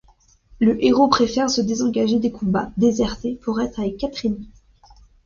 Le héros préfère se désengager des combats, déserter, pour être avec Catherine.